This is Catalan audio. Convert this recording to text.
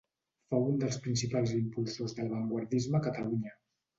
Fou un dels principals impulsors de l'avantguardisme a Catalunya.